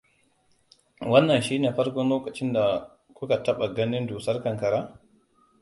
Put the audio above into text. Wannan shine farkon lokacin da kuka taɓa ganin dusar ƙanƙara?